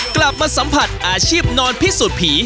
กลับมาสัมผัสอาชีพนอนพิสูจน์ผี